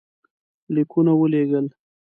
لیکونه ولېږل.